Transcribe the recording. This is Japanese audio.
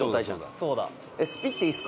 「そうだ」